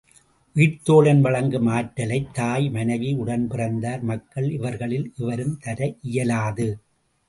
உயிர்த்தோழன் வழங்கும் ஆற்றலைத் தாய், மனைவி, உடன் பிறந்தார், மக்கள் இவர்களில் எவரும் தர இயலாது.